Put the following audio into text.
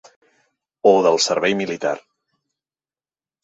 O del servei militar.